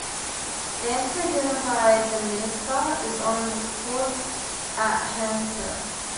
The answer given by the Minister is on record at Hansard.